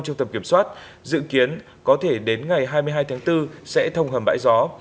trong tầm kiểm soát dự kiến có thể đến ngày hai mươi hai tháng bốn sẽ thông hầm bãi gió